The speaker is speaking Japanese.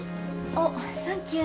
おっサンキュー。